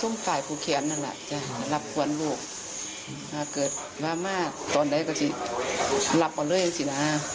มันเกิดมากมากตอนนั้นก็ฉันหลับเลยดิสินะ